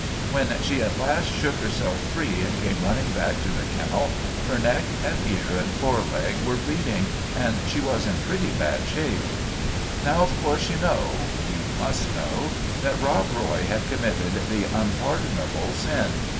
When she at last shook herself free and came run ning back to the kennel her neck and ear and fore leg were bleeding, and she was in pretty bad shape. " Now of course you know you must know that Rob Roy had committed the unpardonable sin.